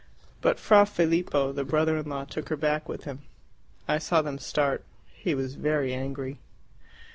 But Fra Filippo, the brother in law, took her back with him. I saw them start. He was very angry."